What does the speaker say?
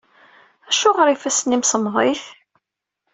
Acuɣer ifassen-im semmḍit?